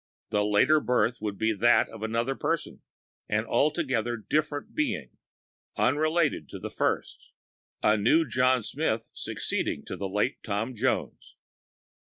The later birth is that of another person, an altogether different being, unrelated to the first—a new John Smith succeeding to the late Tom Jones.